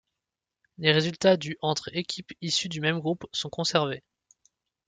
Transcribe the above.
Les résultats du entre équipes issues du même groupe sont conservés.